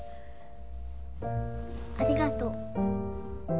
ありがとう。